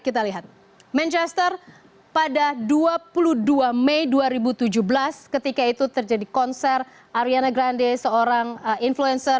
kita lihat manchester pada dua puluh dua mei dua ribu tujuh belas ketika itu terjadi konser ariana grande seorang influencer